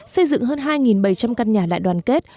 xây dựng hơn hai bảy trăm linh căn nhà đại đoàn kết